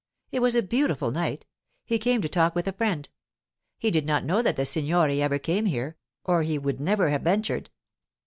It was a beautiful night. He came to talk with a friend. He did not know that the signore ever came here, or he would never have ventured.